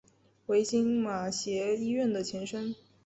为今马偕医院的前身。